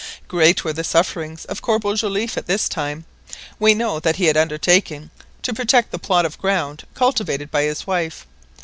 Great were the sufferings of Corporal Joliffe at this time. We know that he had undertaken to protect the plot of ground cultivated by his wife.